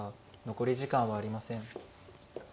残り時間はありません。